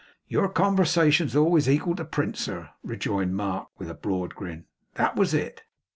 'Your conversation's always equal to print, sir,' rejoined Mark, with a broad grin. 'That was it.